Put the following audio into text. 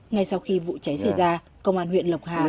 ngay sau khi vụ cháy xảy ra công an huyện lộc hà